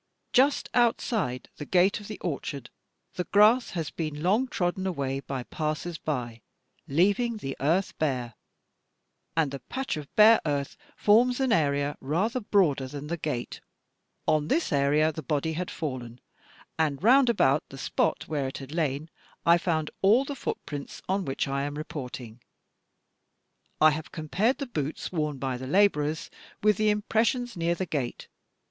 Just outside the gate of the orchard, the grass has been long trodden away by passers by, leaving the earth bare; and the patch of bare earth forms an area rather broader than the gate. On this area the body had fallen, and roimd about the spot where it had lain I found all the footprints on which I am reporting. "I have compared the boots worn by the labourers with the im pressions near the gate.